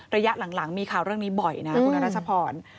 ระยะหลังมีข่าวเรื่องนี้บ่อยนะคุณรัชพร